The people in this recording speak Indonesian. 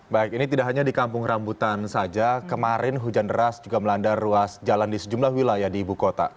baik ini tidak hanya di kampung rambutan saja kemarin hujan deras juga melanda ruas jalan di sejumlah wilayah di ibu kota